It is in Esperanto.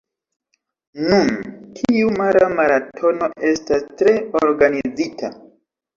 Nun, tiu mara maratono estas tre organizita.